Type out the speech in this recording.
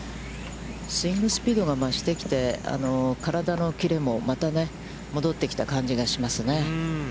スイングスピードが増してきて、体の切れも、また戻ってきた感じがしますね。